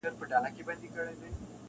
پاچا و ايستل له ځانه لباسونه-